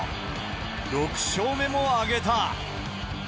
６勝目も挙げた。